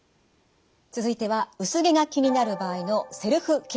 続いては薄毛が気になる場合のセルフケアです。